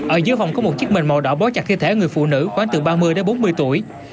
ở dưới phòng có một chiếc mền màu đỏ bó chặt thi thể người phụ nữ khoảng từ ba mươi bốn mươi tuổi